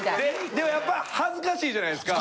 でもやっぱり恥ずかしいじゃないですか。